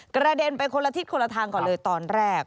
กระเด็นไปคนละทิศคนละทางก่อนเลยตอนแรก